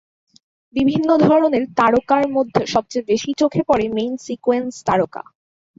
বিভিন্ন ধরনের তারকার মধ্যে সবচেয়ে বেশি চোখে পড়ে মেইন-সিকোয়েন্স তারকা।